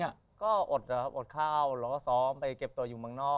อดนะครับอดข้าวแล้วก็ซ้อมไปเก็บตัวอยู่บ้างนอก